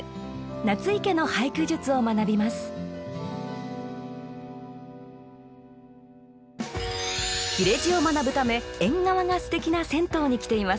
夏井家の俳句術を学びます切れ字を学ぶため縁側がステキな銭湯に来ています。